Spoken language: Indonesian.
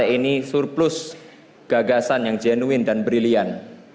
ini surplus gagasan yang jenuin dan brilian